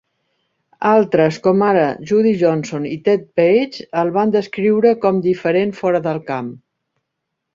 Altres, com ara Judy Johnson i Ted Page, el van descriure com diferent fora del camp.